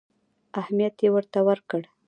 اهمیت یې ورته ورکړ.